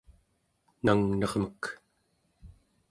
nangnermek